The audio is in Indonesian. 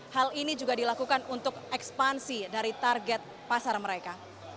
hal ini juga dilakukan untuk ekspansi dari target pasar mereka